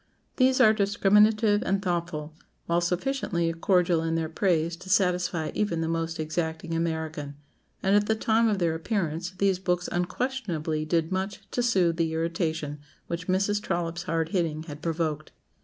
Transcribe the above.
These are discriminative and thoughtful, while sufficiently cordial in their praise to satisfy even the most exacting American; and at the time of their appearance these books unquestionably did much to soothe the irritation which Mrs. Trollope's hard hitting had provoked.